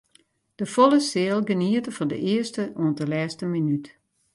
De folle seal geniete fan de earste oant de lêste minút.